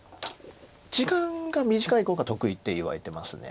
時間が短い碁が得意っていわれてます。